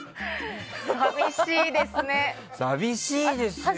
寂しいですよ。